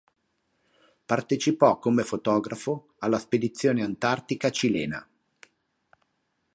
Partecipò come fotografo alla spedizione antartica cilena.